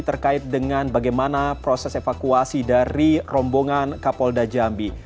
terkait dengan bagaimana proses evakuasi dari rombongan kapolda jambi